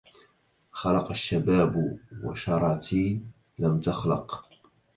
خلق الشباب وشرتي لم تخلق